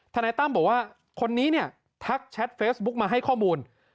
นายตั้มบอกว่าคนนี้เนี่ยทักแชทเฟซบุ๊กมาให้ข้อมูล